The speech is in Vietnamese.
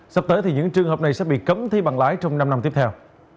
sắp tới thì những trường hợp này sẽ bị cấm thi bằng lái trong năm năm tiếp theo